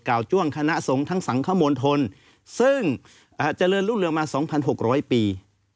จ้วงคณะสงฆ์ทั้งสังคมลทนซึ่งเจริญรุ่งเรืองมา๒๖๐๐ปี